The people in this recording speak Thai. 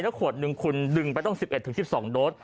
ถ้าขวดหนึ่งคุณดึงไปต้อง๑๑๑๒โดส